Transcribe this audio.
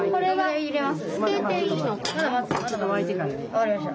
分かりました。